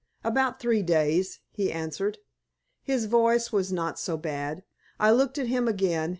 "About three days," he answered. His voice was not so bad. I looked at him again.